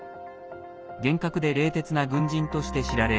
厳格で冷徹な軍人として知られ